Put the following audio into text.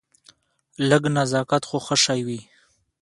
لږ نزاکت خو ښه شی وي.